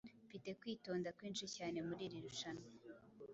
Mfite kwitonda kwinshi cyane muri iri rushanwa